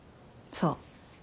そう。